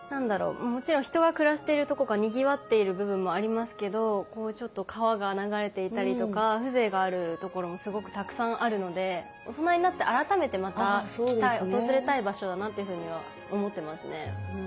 もちろん人が暮らしてるとこがにぎわっている部分もありますけどこうちょっと川が流れていたりとか風情があるところもすごくたくさんあるのでだなってふうには思ってますね。